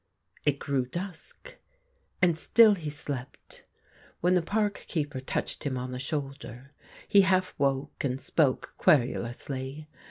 It grew dusk, and still he slept. When the park keeper touched him on the shoulder, he half woke, and spoke querulously.